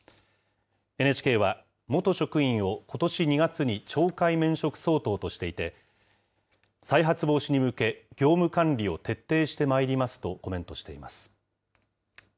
ＮＨＫは、元職員をことし２月に懲戒免職相当としていて、再発防止に向け、業務管理を徹底してまいりますとコメントしています。